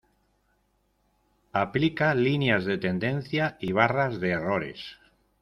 Aplica líneas de tendencia y barras de errores.